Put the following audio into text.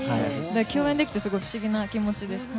共演できてすごい不思議な気持ちです。